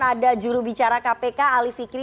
ada juru bicara kpk ali fikri